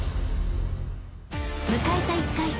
［迎えた１回戦］